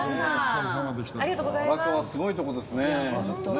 荒川はすごいとこですね。